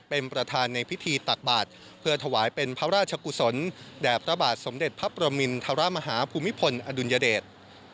เป็นประธานในพิธีตักบาทเพื่อถวายเป็นพระราชกุศลแด่พระบาทสมเด็จพระประมินทรมาฮาภูมิพลอดุลยเดช